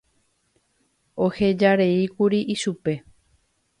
ohejareíkuri ichupe